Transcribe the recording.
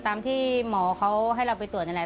ตามที่หมอเขาให้เราไปตรวจนั่นแหละ